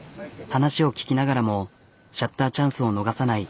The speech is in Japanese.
話を聞きながらもシャッターチャンスを逃さない。